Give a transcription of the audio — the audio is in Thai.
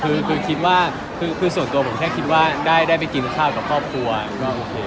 คือคิดว่าคือส่วนตัวผมแค่คิดว่าได้ไปกินข้าวกับครอบครัวก็โอเค